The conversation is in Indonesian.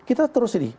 kita terus ini